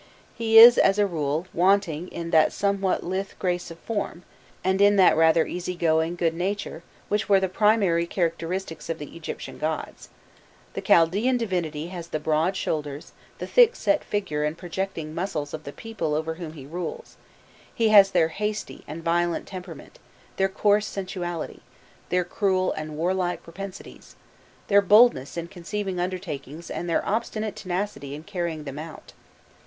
He is, as a rule, wanting in that somewhat lithe grace of form, and in that rather easy going good nature, which were the primary characteristics of the Egyptian gods: the Chaldaean divinity has the broad shoulders, the thick set figure and projecting muscles of the people over whom he rules; he has their hasty and violent temperament, their coarse sensuality, their cruel and warlike propensities, their boldness in conceiving undertakings, and their obstinate tenacity in carrying them out.